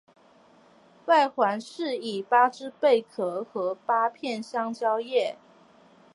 外环饰以八只贝壳和八片香蕉叶。